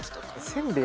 せんべい